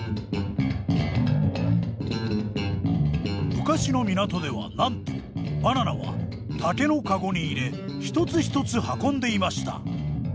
昔の港ではなんとバナナは竹のカゴに入れ一つ一つ運んでいました。